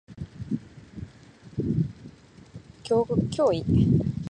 怪異